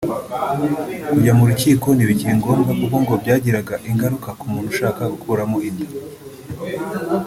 kujya mu rukiko ntibikiri ngombwa kuko ngo byagiraga ingaruka ku muntu ushaka gukurwamo inda